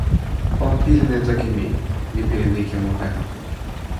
o pilin e toki mi: mi pilin ike mute.